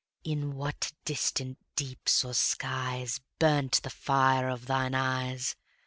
In what distant deeps or skies Burnt the fire of thine eyes?